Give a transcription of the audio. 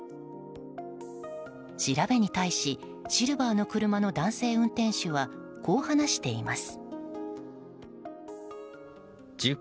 調べに対しシルバーの車の男性運転手はこう話しています。